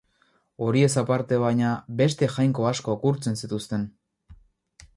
Horiez aparte, baina, beste jainko asko gurtzen zituzten.